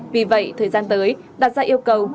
vì vậy thời gian tới đặt ra yêu cầu